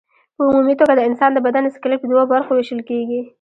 په عمومي توګه د انسان د بدن سکلېټ په دوو برخو ویشل کېږي.